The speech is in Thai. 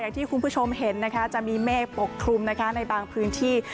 อย่างที่คุณผู้ชมเห็นจะมีเมฆปกคลุมในบางพื้นที่